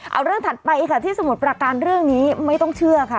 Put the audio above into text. เอาเรื่องถัดไปค่ะที่สมุทรประการเรื่องนี้ไม่ต้องเชื่อค่ะ